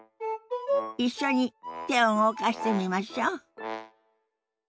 一緒に手を動かしてみましょ。